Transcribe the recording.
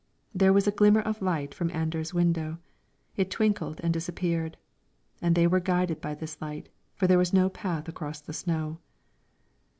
There was a glimmer of light from Anders' window, it twinkled and disappeared, and they were guided by this light, for there was no path across the snow.